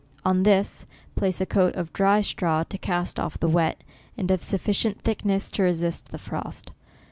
On this, place a coat of dry straw, to cast off the wet, and of a sufficient thickness to resist the frost.